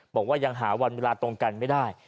บอกว่ายังหาวันเวลาตรงกันไม่ได้